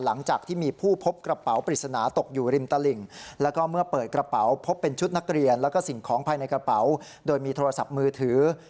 หลังจากที่มีผู้พบกระเป๋าปริศนาตกอยู่ริมตลิ่งแล้วก็เมื่อเปิดกระเป๋าพบเป็นชุดนักเรียนแล้วก็สิ่งของภายในกระเป๋าโดยมีโทรศัพท์มือถือ